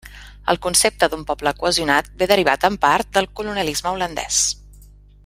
El concepte d’un poble cohesionat ve derivat en part del colonialisme holandès.